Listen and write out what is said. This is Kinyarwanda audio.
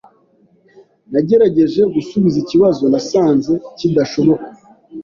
Nagerageje gusubiza ikibazo, nasanze kidashoboka.